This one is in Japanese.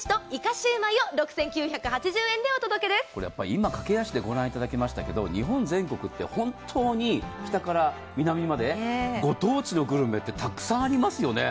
今、駆け足で御覧いただきましたけど、本当に北から南までご当地のグルメってたくさんありますよね。